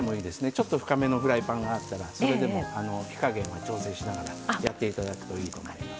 ちょっと深めのフライパンがあったらそれでも火加減は調整しながらやって頂くといいと思います。